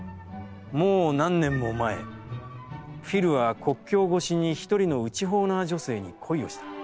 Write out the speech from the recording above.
もう何年も前、フィルは国境ごしに一人の内ホーナー女性に恋をした。